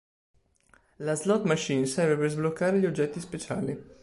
La "slot machine" serve per sbloccare gli oggetti speciali.